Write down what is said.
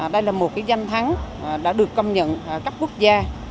đây là một danh thắng đã được công nhận cấp quốc gia